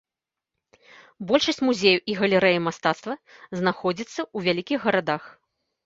Большасць музеяў і галерэй мастацтва знаходзіцца ў вялікіх гарадах.